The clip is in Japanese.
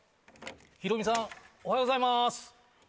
ヒロミさんおはようございます。